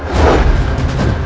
aku akan menang